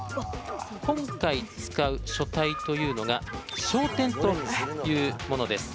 今回、使う書体というのが小篆というものです。